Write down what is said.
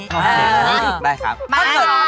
อ๋อได้ครับ